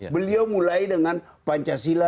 beliau mulai dengan pancasila